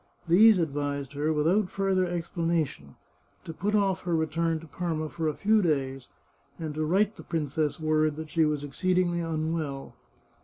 These advised her, without further explanation, to put off her return to Parma for a few days, and to write the princess word that she was exceedingly unwell.